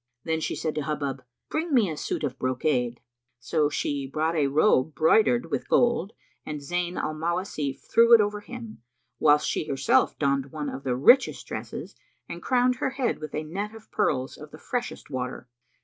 Then she said to Hubub, "Bring me a suit of brocade;" so she brought a robe broidered with gold and Zayn al Mawasif threw it over him, whilst she herself donned one of the richest dresses and crowned her head with a net of pearls of the freshest water.